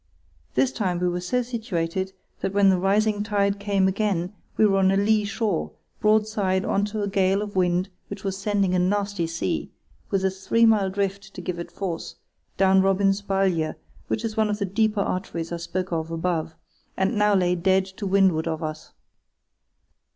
This time we were so situated that when the rising tide came again we were on a lee shore, broadside on to a gale of wind which was sending a nasty sea—with a three mile drift to give it force—down Robin's Balje, which is one of the deeper arteries I spoke of above, and now lay dead to windward of us.